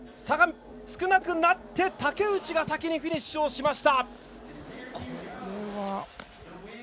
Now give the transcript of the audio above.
差が少なくなって竹内が先にフィニッシュしました。